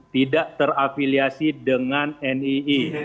tidak terafiliasi dengan nikw